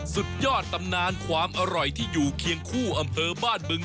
สุดยอดตำนานความอร่อยที่อยู่เคียงคู่อำเภอบ้านบึง